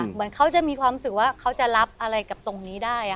เหมือนเขาจะมีความรู้สึกว่าเขาจะรับอะไรกับตรงนี้ได้